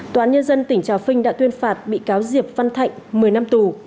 tòa án nhân dân tỉnh trà vinh đã tuyên phạt bị cáo diệp văn thạnh một mươi năm tù